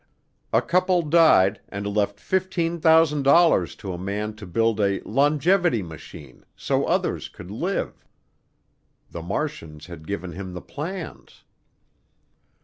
A couple died and left $15,000 to a man to build a "longevity machine" so others could live. The Martians had given him the plans.